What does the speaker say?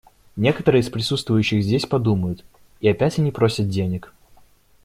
Некоторые из присутствующих здесь подумают: «И опять они просят денег».